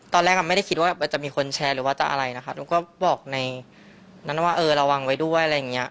ตอนแรกไม่ได้คิดว่าจะมีคนแชร์หรือว่าจะอะไรนะคะหนูก็บอกในนั้นว่าเออระวังไว้ด้วยอะไรอย่างเงี้ย